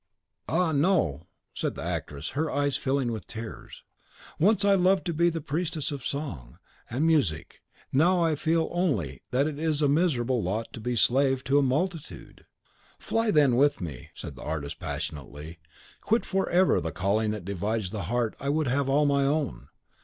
"Ah, no!" said the actress, her eyes filling with tears. "Once I loved to be the priestess of song and music; now I feel only that it is a miserable lot to be slave to a multitude." "Fly, then, with me," said the artist, passionately; "quit forever the calling that divides that heart I would have all my own.